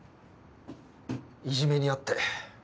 いじめに遭って。